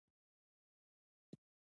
دا ځینو خلکو خپل اصلیت هېر کړی